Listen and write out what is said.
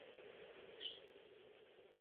The name Yakou literally means "mountain pass".